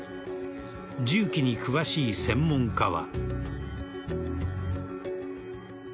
銃器に詳しい専門家は。